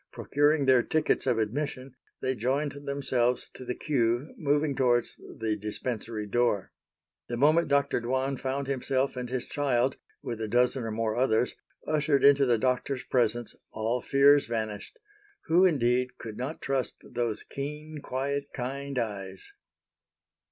Procuring their tickets of admission they joined themselves to the queue moving towards the Dispensary door. The moment Dr. Dwan found himself and his child, with a dozen or more others, ushered into the Doctor's presence, all fears vanished,—who, indeed, could not trust those keen, quiet, kind eyes?